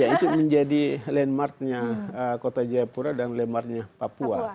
ya itu menjadi landmarknya kota jayapura dan landmarknya papua